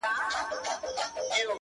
پښتنې جونه د خوشحال بابا په کلام کې